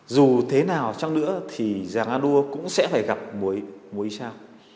dù thế nào chẳng nữa thì giang anua cũng sẽ phải gặp mối sao